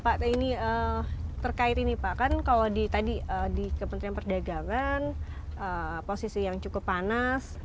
pak ini terkait ini pak kan kalau di tadi di kementerian perdagangan posisi yang cukup panas